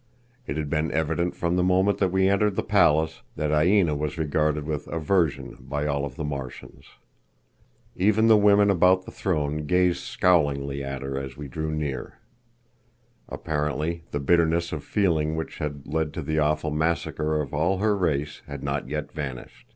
It had been evident from the moment that we entered the palace that Aina was regarded with aversion by all of the Martians. Even the women about the throne gazed scowlingly at her as we drew near. Apparently, the bitterness of feeling which had led to the awful massacre of all her race had not yet vanished.